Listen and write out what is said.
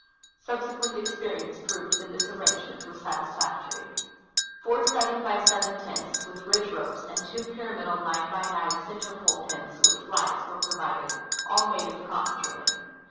Subse(i[uent experience proved that this arrangement was satis factory. Four seven by seven tents, with ridge ro|)es, and two pyram idal nine by nine center pole tents, with iiies, were provided, all made of cotton drilling.